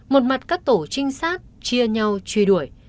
một mặt các tổ trinh sát chia nhau truy đuổi